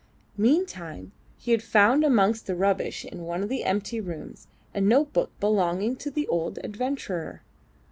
Meantime he had found amongst the rubbish in one of the empty rooms a note book belonging to the old adventurer.